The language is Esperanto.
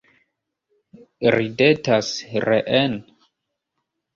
Ridetas reen?